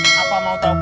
apa mau tahu banget